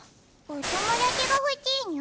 お友達がほしいの？